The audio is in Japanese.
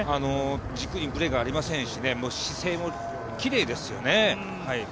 軸にブレがありませんし、姿勢もきれいですよね。